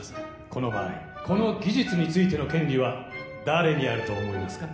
この場合この技術についての権利は誰にあると思いますか？